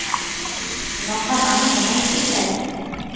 noqa mana munani pitay